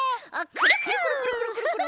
くるくるくるくるくるくる。